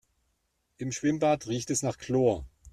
Im Schwimmbad riecht es nach Chlor.